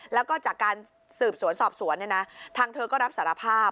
แล้วก็จากการสืบสวนสอบสวนเนี่ยนะทางเธอก็รับสารภาพ